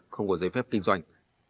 không có giấy phép kinh doanh